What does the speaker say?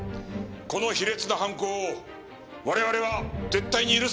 この卑劣な犯行を我々は絶対に許すわけにはいかない！